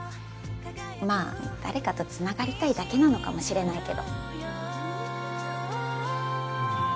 まあ誰かと繋がりたいだけなのかもしれないけど。